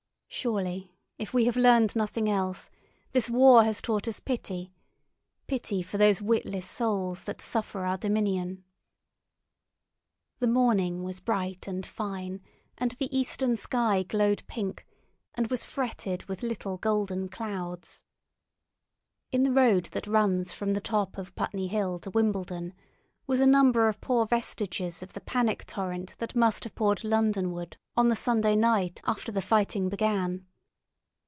Surely, if we have learned nothing else, this war has taught us pity—pity for those witless souls that suffer our dominion. The morning was bright and fine, and the eastern sky glowed pink, and was fretted with little golden clouds. In the road that runs from the top of Putney Hill to Wimbledon was a number of poor vestiges of the panic torrent that must have poured Londonward on the Sunday night after the fighting began.